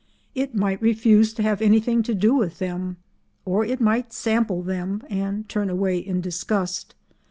It might refuse to have anything to do with them, or it might sample them and turn away in disgust.